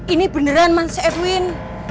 ini beneran mas edwin